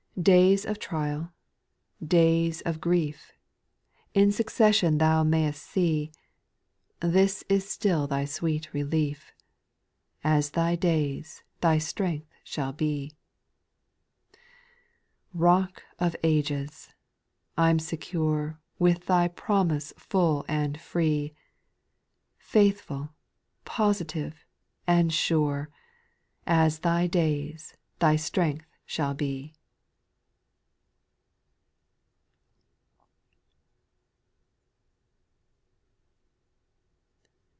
Days of trial, days of grief, In succession thou may'st see, This is still thy sweet relief, —" As thy days, thy strength shall be." 4. Rock of ages ! I 'm secure, "With thy promise full and free. Faithful, positive, and sure —'* As thy days, thy strength shall be."